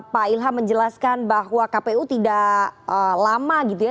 pak ilham menjelaskan bahwa kpu tidak lama gitu ya